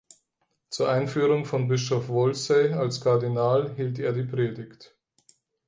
Zur Einführung von Bischof Wolsey als Kardinal hielt er die Predigt.